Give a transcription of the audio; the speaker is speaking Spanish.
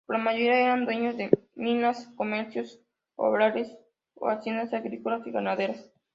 La mayoría eran dueños de minas, comercios, obrajes o haciendas agrícolas y ganaderas.